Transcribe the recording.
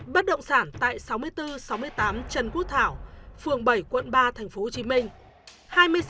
bất động sản tại sáu mươi bốn sáu mươi tám trần quốc thảo phường bảy quận ba tp hcm